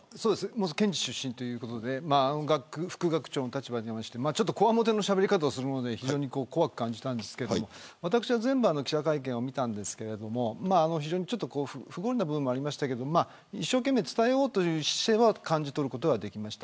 元検事出身ということで副学長の立場においてこわもてのしゃべり方をするので怖く感じたんですけど全部、記者会見を見たんですけど不合理な部分もありましたけど一生懸命伝えようという姿勢は感じ取ることができました。